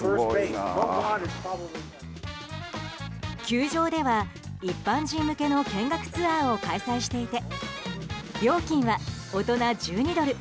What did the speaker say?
球場では一般人向けの見学ツアーを開催していて料金は大人１２ドル